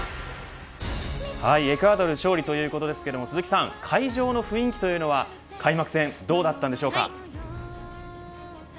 はい、エクアドル勝利ということですが、鈴木さん会場の雰囲気というのは開幕戦どうだったんでしょうか。